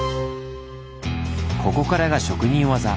ここからが職人技。